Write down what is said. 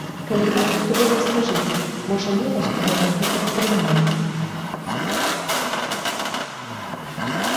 Калі так, то вы нам скажыце, можа мы вас у гэтым і падтрымаем.